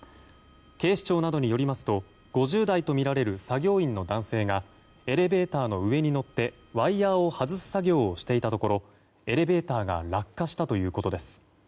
警視庁などによりますと５０代とみられる作業員の男性がエレベーターの上に乗ってワイヤを外す作業をしていたところエレベーターが落下したということです。